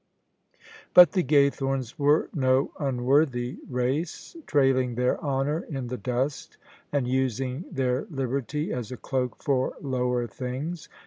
But the Gajrthoraes were no unworthy race, trailing their honour in the dust and using their liberty as a cloak for lower things.